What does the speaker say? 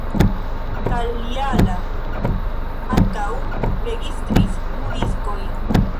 Kalliala ankaŭ registris du diskojn.